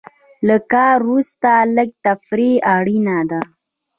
له کار وروسته لږه تفریح اړینه ده.